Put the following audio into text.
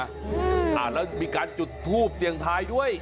อ่าแล้วมีการจุดทูปเสียงทายด้วย